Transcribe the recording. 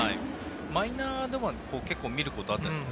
マイナーでは結構、見ることはあるんですか？